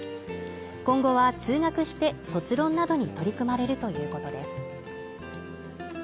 今後は通学して卒論などに取り組まれるということです。